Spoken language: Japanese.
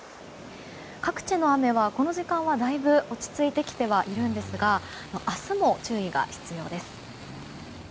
各地の雨はこの時間はだいぶ落ち着いてきてはいるんですが明日も注意が必要です。